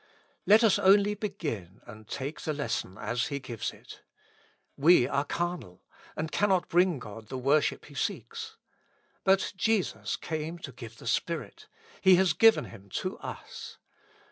Let us only begin and take the lesson as He gives it. We are carnal and cannot bring God the worship He seeks. But Jesus came to give the Spirit ; He has given Him to us.